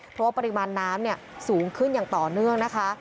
เพราะว่าปริมาณน้ำสูงขึ้นอย่างต่อเนื่องนะคะ